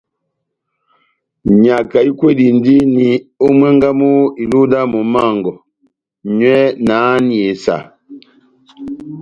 Nyaka ikwedindini ó mwángá mú iluhu dá momó wɔngɔ, nyɔ na háhani esa.